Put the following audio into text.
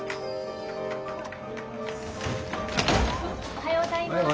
おはようございます。